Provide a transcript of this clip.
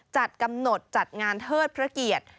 จัดกำหนดจัดงานเทิดพระเกียรติ